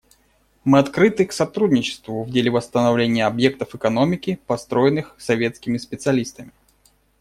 Мы открыты к сотрудничеству в деле восстановления объектов экономики, построенных советскими специалистами.